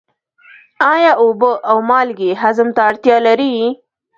آیا اوبه او مالګې هضم ته اړتیا لري؟